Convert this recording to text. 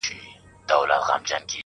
که طوطي چېري ګنجی لیدلی نه وای.!